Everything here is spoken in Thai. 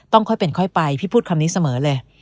ค่อยเป็นค่อยไปพี่พูดคำนี้เสมอเลย